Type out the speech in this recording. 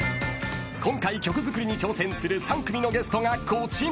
［今回曲作りに挑戦する３組のゲストがこちら］